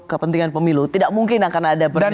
kepentingan pemilu tidak mungkin akan ada